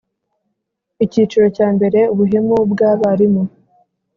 Icyiciro cya mbere Ubuhemu bwabarimu